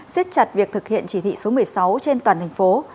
xiết chặt việc thực hiện chỉ thị số một mươi sáu trên toàn thành phố